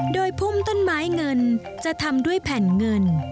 โดยพุ่มต้นไม้เงินจะทำด้วยแผ่นเงิน